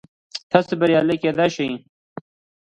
تاسو بریالي کیدی شئ